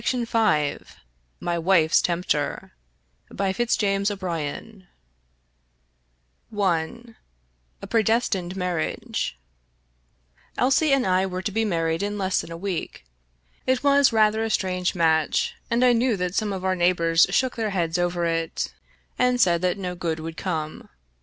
55 Irish Mystery Stories My Wife's Tempter I A PREDESTINED MARRIAGE Elsie and I were to be married in less than a week. It was rather a strange match, and I knew that some of our neighbors shook their heads over it and said that no good would come.